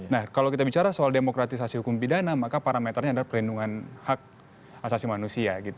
nah kalau kita bicara soal demokratisasi hukum pidana maka parameternya adalah perlindungan hak asasi manusia gitu